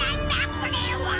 これは。